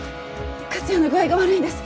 克哉の具合が悪いんです